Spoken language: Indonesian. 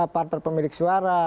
faktor pemilik suara